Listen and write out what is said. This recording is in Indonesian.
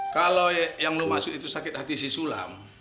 kalau yang lo maksud itu sakit hati si sulam